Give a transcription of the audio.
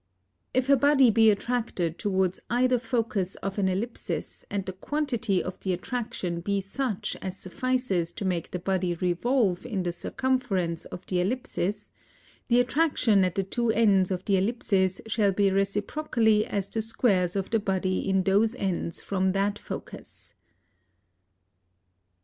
If a body be attracted towards either focus of an Ellipsis & the quantity of the attraction be such as suffices to make the body revolve in the circumference of the Ellipsis: the attraction at the two ends of the Ellipsis shall be reciprocally as the squares of the body in those ends from that focus.